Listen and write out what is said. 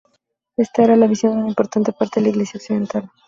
Esta era la visión de una importante parte de la Iglesia occidental.